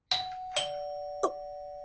あっ！